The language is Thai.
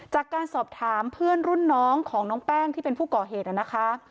จากการสอบถามเพื่อนรุ่นน้องของน้องแป้งที่เป็นผู้ก่อเหตุนะคะ